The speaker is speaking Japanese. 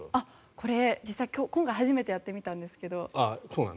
これ、今回初めてやってみたんですが。